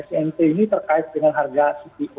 semp ini terkait dengan harga cto